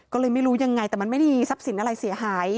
ก็เลยไม่รู้ยังไงแต่มันไม่ได้มีทรัพย์สินอะไรเสียหาย